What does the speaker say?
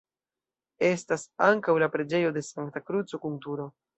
Estas ankaŭ la preĝejo de Sankta Kruco kun turo.